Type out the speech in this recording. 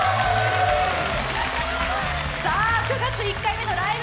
９月１回目の「ライブ！